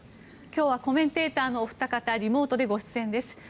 今日はコメンテーターのお二方はリモートでご出演です。